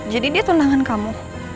jadi dia tundangan kamu